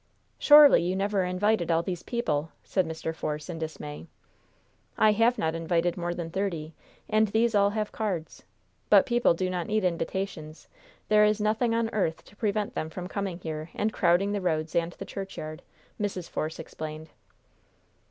"Surely you never invited all these people?" said Mr. Force, in dismay. "I have not invited more than thirty; and these all have cards; but people do not need invitations; there is nothing on earth to prevent them from coming here and crowding the roads and the churchyard," Mrs. Force explained.